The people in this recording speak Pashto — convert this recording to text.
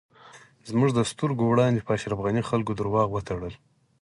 زموږ د سترږو وړاندی په اشرف غنی خلکو درواغ وتړل